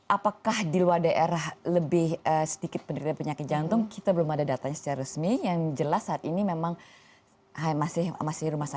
apakah di luar daerah lebih sedikit penderita penyakit jantung kita belum ada datanya secara resmi yang jelas saat ini memang masih rumah sakit